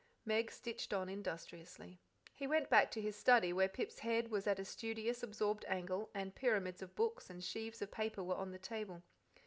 Meg stitched on industriously. He went back to his study, where Pip's head was at a studious, absorbed angle, and pyramids of books and sheaves of paper were on the table.